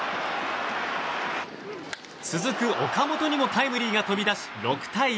続く岡本にもタイムリーが飛び出し６対１。